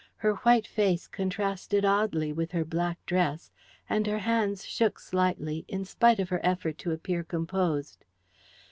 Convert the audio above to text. Her white face contrasted oddly with her black dress, and her hands shook slightly, in spite of her effort to appear composed.